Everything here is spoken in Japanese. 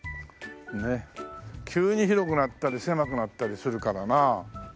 急に広くなったり狭くなったりするからなあ。